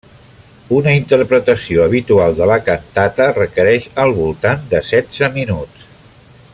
Una interpretació habitual de la cantata requereix al voltant de setze minuts.